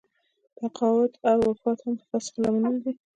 تقاعد او وفات هم د فسخې لاملونه دي.